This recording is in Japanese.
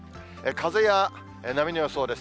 風や波の予想です。